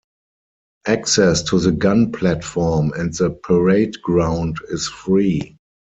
Access to the gun platform and the parade ground is free.